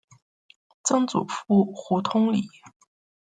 曾祖父胡通礼。